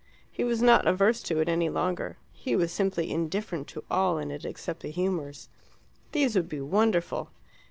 He was not averse to it any longer; he was simply indifferent to all in it except the humours. These would be wonderful.